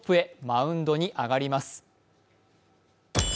マウンドに上がります。